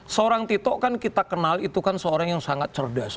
seorang tito kan kita kenal itu kan seorang yang sangat cerdas